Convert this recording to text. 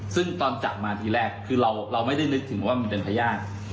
ซึ่งตอนจับมาทีแรกคือเราไม่ได้นึกถึงว่ามันเป็นพญาติ